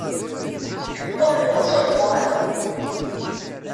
Tom d bu tṣelbuɛt.